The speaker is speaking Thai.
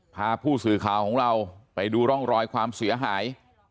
พาผู้สื่อข่าวของเราไปดูร่องรอยความเสียหาย